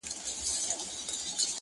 په خبرو په کیسو ورته ګویا سو-